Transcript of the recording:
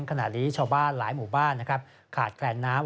ขณะนี้ชาวบ้านหลายหมู่บ้านนะครับขาดแคลนน้ำ